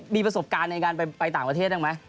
มีประสบการณ์ในการไปต่างประเทศบ้างไหม